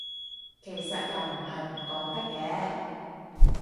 其實又唔係唔講得嘅